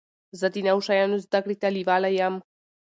زه د نوو شیانو زده کړي ته لېواله يم.